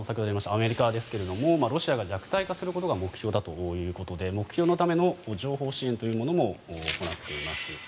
アメリカですがロシアが弱体化することが目標だということで目標のための情報支援というのも行っています。